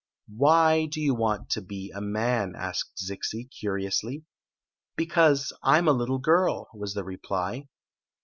" Why do you want to be a man >" asked Zixi, curiously " Because I 'm a litde girl," was the reply.